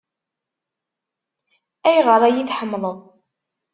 Ayɣer ay iyi-tḥemmleḍ?